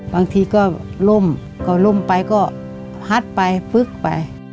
บางทีก็ล่มก็ล่มไปก็ฮัดไปฟึ๊กไป